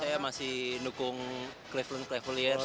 saya masih dukung cleveland cavaliers